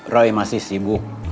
roy masih sibuk